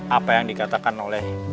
apa yang dikatakan oleh